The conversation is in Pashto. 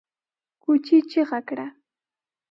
کوچي چيغه کړه!